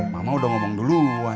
mama udah ngomong duluan